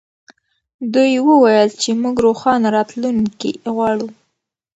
دوی وویل چې موږ روښانه راتلونکې غواړو.